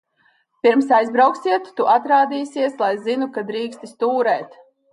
Pirms aizbrauksiet, tu atrādīsies, lai zinu, ka drīksti stūrēt.